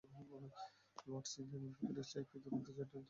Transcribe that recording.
লর্ডসে ইংল্যান্ডের বিপক্ষে টেস্টে কী দুর্দান্ত জয়টাই না তুলে নিল পাকিস্তান।